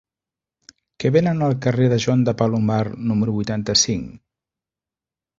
Què venen al carrer de Joan de Palomar número vuitanta-cinc?